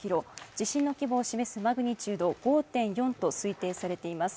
地震の規模を示すマグニチュード５．４と推定されています。